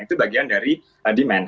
itu bagian dari demand